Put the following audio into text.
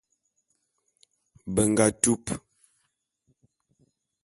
Be nga tup.